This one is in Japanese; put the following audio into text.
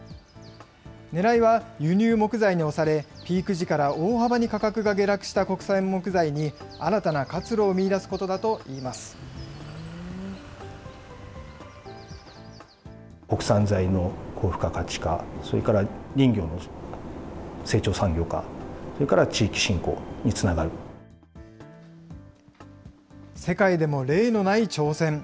ねらいは、輸入木材に押され、ピーク時から大幅に価格が下落した国産木材に新たな活路を見いだ世界でも例のない挑戦。